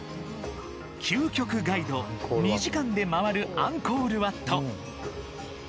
「究極ガイド２時間でまわるアンコールワット」。